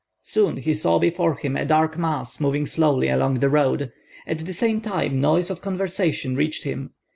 Soon he saw before him a dark mass moving slowly along the road; at the same time noise of conversation reached him.